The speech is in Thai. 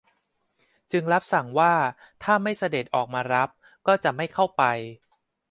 จึงรับสั่งว่าถ้าไม่เสด็จออกมารับก็จะไม่เข้าไป